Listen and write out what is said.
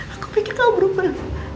aku pikir kamu berubah